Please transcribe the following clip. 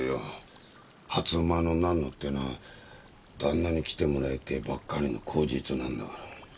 初午の何のってのは旦那に来てもらいてえばっかりの口実なんだから。